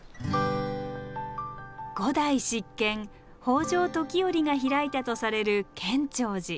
五代執権北条時頼が開いたとされる建長寺。